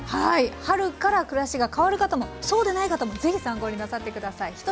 はい春から暮らしが変わる方もそうでない方もぜひ参考になさって下さい。